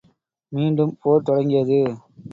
மீண்டும் போர் தொடங்கியது.